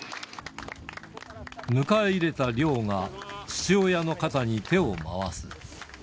迎え入れた凌央が、父親の肩に手を回す。